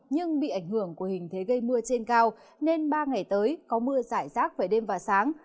nhưng bị ảnh hưởng của hình thế gây mưa trên cao nên ba ngày tới có mưa giải rác về đêm và sáng